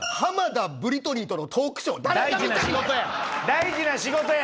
大事な仕事や！